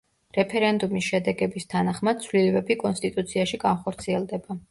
რეფერენდუმის შედეგების თანახმად ცვლილებები კონსტიტუციაში განხორციელდება.